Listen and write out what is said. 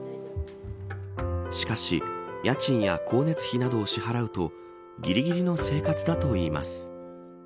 しかし、家賃や光熱費などを支払うとぎりぎりの生活だといいます。